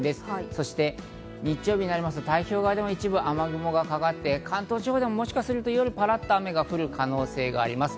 そして日曜日になりますと太平洋側でも一部、雨雲がかかって関東地方でももしかすると夜、パラっと雨が降る可能性があります。